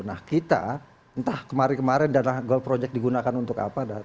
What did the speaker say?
nah kita entah kemarin kemarin dana gold project digunakan untuk apa